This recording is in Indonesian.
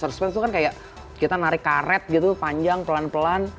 surspace itu kan kayak kita narik karet gitu panjang pelan pelan